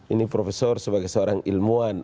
ini profesor sebagai seorang ilmuwan